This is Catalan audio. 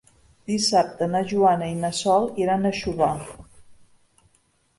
Dissabte na Joana i na Sol iran a Xóvar.